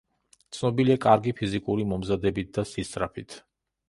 ცნობილია კარგი ფიზიკური მომზადებით და სისწრაფით.